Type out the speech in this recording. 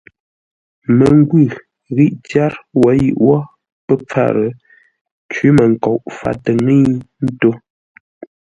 Məngwʉ̂ ghî tyár wǒ yʉʼ wó pə́ pfár, cwímənkoʼ fâtə ńŋə́i ńtó.